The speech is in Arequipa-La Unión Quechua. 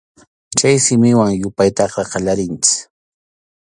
Chay simiwan yupaytaqa qallarinchik.